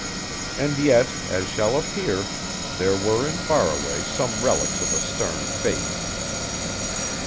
And yet, as shall appear, there were in Faraway some relics of a stern faith.